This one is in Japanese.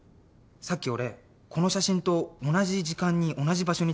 さっき俺この写真と同じ時間に同じ場所に立ってたんだけど。